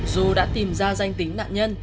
dù đã tìm ra danh tính nạn nhân